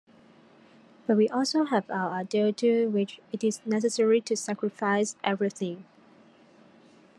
But we also have our ideal-to which it is necessary to sacrifice everything.